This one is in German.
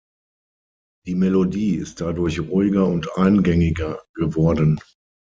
Die Melodie ist dadurch ruhiger und eingängiger geworden.